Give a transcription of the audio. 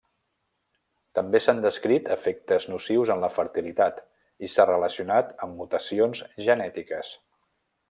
També s'han descrit efectes nocius en la fertilitat i s'ha relacionat amb mutacions genètiques.